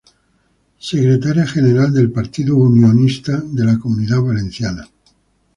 Secretaria general del Partido Popular de la Comunidad Valenciana.